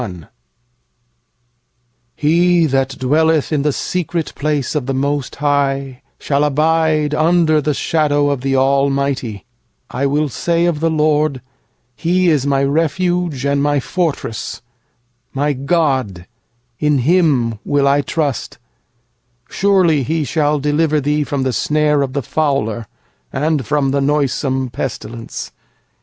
Q1 0 thou that dwellest in the covert of the Most High, And abidest in the shadow of the Almighty; 2I will say of the LORD, who is my refuge and my fortress, My God, in whom I trust, 3That He will deliver thee from the snare of the fowler, And from the noisome pestilence.